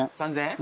３，０００円？